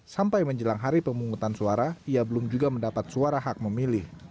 sampai menjelang hari pemungutan suara ia belum juga mendapat suara hak memilih